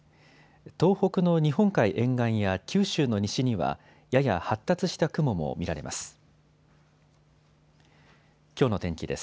東北の日本海沿岸や九州の西にはやや発達した雲も見られます。